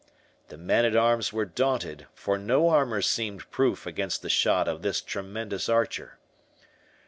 The men at arms were daunted, for no armour seemed proof against the shot of this tremendous archer.